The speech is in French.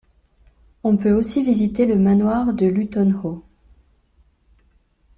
On peut aussi visiter le manoir de Luton Hoo.